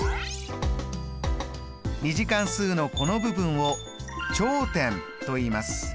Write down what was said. ２次関数のこの部分を頂点といいます。